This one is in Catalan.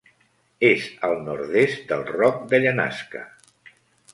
És al nord-est del Roc de Llenasca.